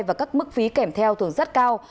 và các mức phí kẻm theo thường rất cao